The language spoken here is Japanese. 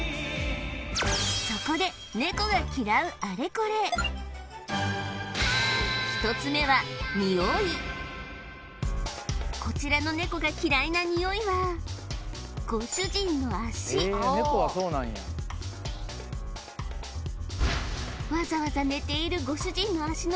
そこでこちらのネコが嫌いなニオイはわざわざ寝ているご主人の足の